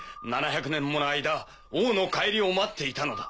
７００年もの間王の帰りを待っていたのだ。